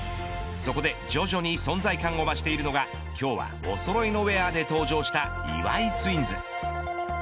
そこで、徐々に存在感を増しているのが今日はおそろいのウエアで登場した岩井ツインズ。